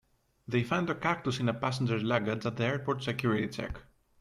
They found a cactus in a passenger's luggage at the airport's security check.